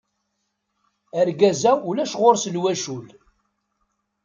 Argaz-a ulac ɣur-s lwacul.